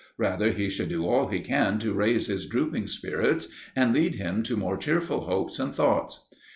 Rather he should do all he can to raise his drooping spirits, and lead him to more cheerful hopes and thoughts.